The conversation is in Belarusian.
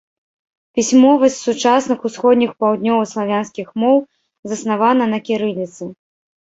Пісьмовасць сучасных усходніх паўднёваславянскіх моў заснавана на кірыліцы.